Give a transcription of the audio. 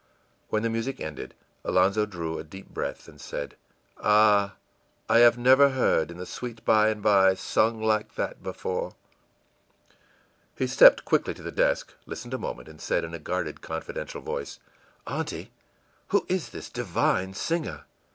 When the music ended, Alonzo drew a deep breath, and said, ìAh, I never have heard 'In the Sweet By and by' sung like that before!î He stepped quickly to the desk, listened a moment, and said in a guarded, confidential voice, ìAunty, who is this divine singer?